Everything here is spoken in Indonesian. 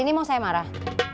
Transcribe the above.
ini mau saya marah